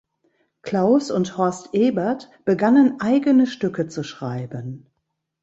Klaus und Horst Ebert begannen, eigene Stücke zu schreiben.